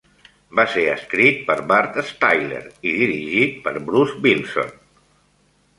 Va ser escrit per Burt Styler i dirigit per Bruce Bilson.